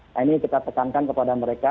nah ini kita tekankan kepada mereka